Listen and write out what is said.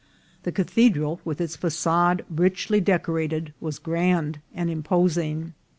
The Cathedral, with its facade richly decorated, was grand and imposing.